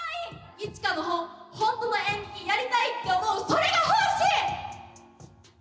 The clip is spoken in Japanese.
一花の本ほんとの演劇やりたいって思うそれが本心！